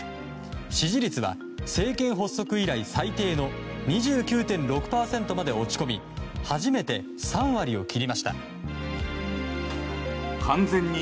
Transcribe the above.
支持率は政権発足以来最低の２９．６％まで落ち込み初めて３割を切りました。